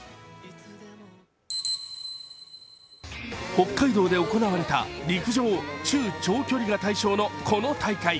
北海道で行われた陸上、中長距離が対象のこの大会。